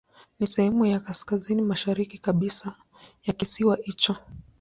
Ni sehemu ya kaskazini mashariki kabisa ya kisiwa hicho.